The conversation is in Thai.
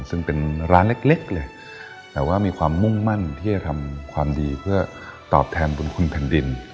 ซึ่งเป็นร้านเล็กเลยแต่ว่ามีความมุ่งมั่นที่จะทำความดีเพื่อตอบแทนบุญคุณแผ่นดิน